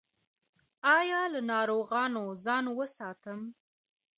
ایا له ناروغانو ځان وساتم؟